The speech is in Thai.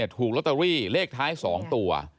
ถูกลอตเตอรี่เลขท้าย๒ตัว